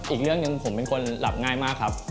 อีกเรื่องหนึ่งผมเป็นคนหลับง่ายมากครับ